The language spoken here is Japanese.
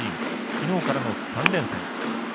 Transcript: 昨日からの３連戦。